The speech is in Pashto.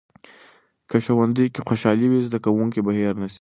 که ښوونځي کې خوشالي وي، زده کوونکي به هیر نسي.